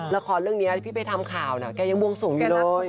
ละครเรื่องนี้ที่ไปทำข่าวนะแกยังบวงสวงอยู่เลย